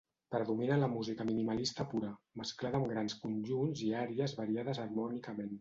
Predomina la música minimalista pura, mesclada amb grans conjunts i àries variades harmònicament.